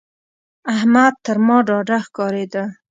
احمد تر ما ډاډه ښکارېده.